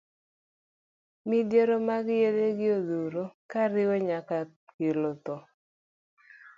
Midhiero mag yedhe gi odhuro kariwo nyako kelo tho.